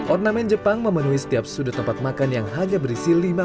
ornamen jepang memenuhi setiap sudut tempat makan yang hanya berisi lima puluh